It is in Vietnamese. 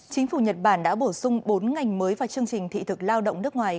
chính phủ nhật bản đã bổ sung bốn ngành mới vào chương trình thị thực lao động nước ngoài